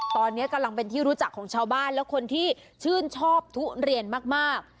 ตอนนี้กำลังเป็นที่รู้จักของชาวบ้านและคนที่ชื่นชอบทุเรียนมาก